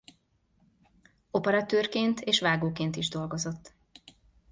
Operatőrként és vágóként is dolgozott.